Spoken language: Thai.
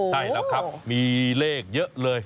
ใช่แล้วครับมีเลขเยอะเลย